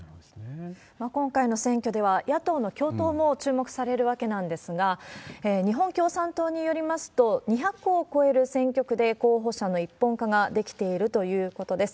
今回の選挙では、野党の共闘も注目されるわけなんですが、日本共産党によりますと、２００を超える選挙区で候補者の一本化ができているということです。